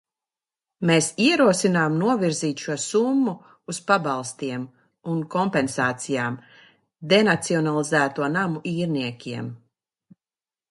Mēs ierosinām novirzīt šo summu uz pabalstiem un kompensācijām denacionalizēto namu īrniekiem.